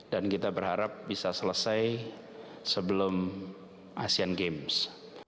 dan kita berharap bisa selesai sebelum asian games